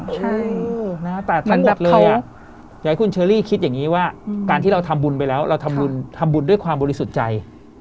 ใช่แต่เลยอยากให้คุณเชอรี่คิดอย่างนี้ว่าการที่เราทำบุญไปแล้วเราทำบุญด้วยความบริสุทธิ์ใจ